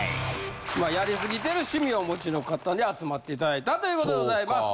まあやりすぎてる趣味をお持ちの方に集まっていただいたということでございます。